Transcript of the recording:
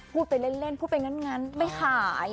พูดเป็นเล่นพูดเป็นงั้นไม่ขาย